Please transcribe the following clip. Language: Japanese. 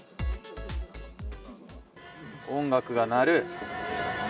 音楽が鳴る。